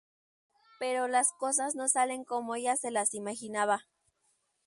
Pero las cosas no salen como ella se las imaginaba.